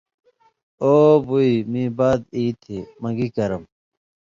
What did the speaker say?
او بُوئ مِیں باد ای تھی مہ گی کرم؟